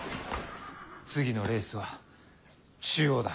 次のレースは中央だ。